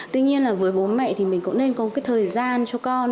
tuy nhiên với bố mẹ thì mình cũng nên có thời gian cho con